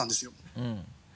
うん。